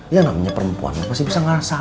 ya namanya perempuan masih bisa ngerasa